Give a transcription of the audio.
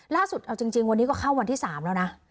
ล่าสุดเอาจริงวันนี้ก็เข้าวันที่๓แล้วนะ